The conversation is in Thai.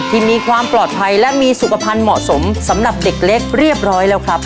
ที่มีความปลอดภัยและมีสุขภัณฑ์เหมาะสมสำหรับเด็กเล็กเรียบร้อยแล้วครับ